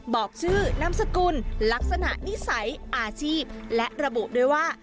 บอกชื่อนามสกุลลักษณะนิสัยอาชีพและระบุด้วยว่า